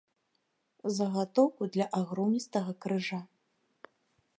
Загатоўку для агромністага крыжа.